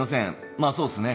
まあそうっすね。